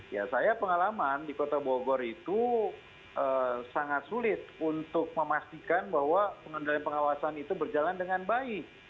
ya saya pengalaman di kota bogor itu sangat sulit untuk memastikan bahwa pengendalian pengawasan itu berjalan dengan baik